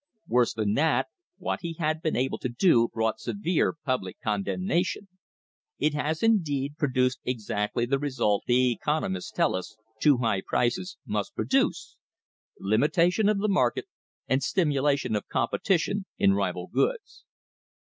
Worse than that, what he had been able to do brought severe public con demnation. It had, indeed, produced exactly the result the economists tell us too high prices must produce limitation of the market and stimulation of competition in rival goods.